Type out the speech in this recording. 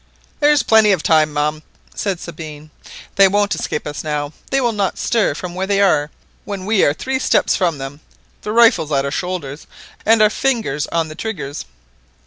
"There's plenty of time, ma'am," said Sabine; "they won't escape us now. They will not stir from where they are when we are three steps from them, the rifles at our shoulders, and our fingers on the triggers